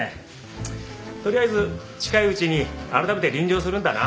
とりあえず近いうちに改めて臨場するんだな。